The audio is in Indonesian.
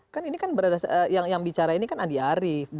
kan ini kan yang bicara ini kan adiari